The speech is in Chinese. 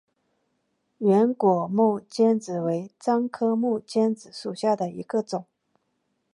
圆果木姜子为樟科木姜子属下的一个种。